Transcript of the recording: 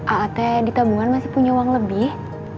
a a t di tabungan masih punya uang lebih